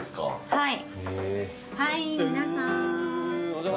はい。